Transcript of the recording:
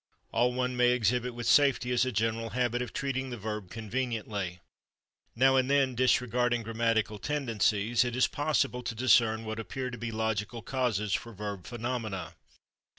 All one may exhibit with safety is a general habit of treating the verb conveniently. Now and then, disregarding grammatical tendencies, it is possible to discern what appear to be logical causes for verb phenomena.